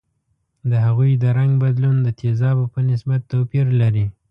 د هغوي د رنګ بدلون د تیزابو په نسبت توپیر لري.